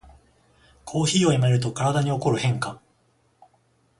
コーヒーをやめると体に起こる変化